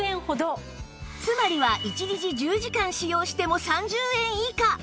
つまりは１日１０時間使用しても３０円以下